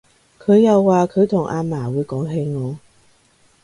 佢又話佢同阿嫲會講起我